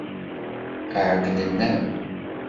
Ɛeyynen-am.